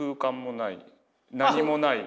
何もない。